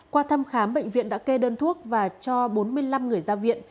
qua thăm khám bệnh viện đã kê đơn thuốc và cho bốn mươi năm người ra viện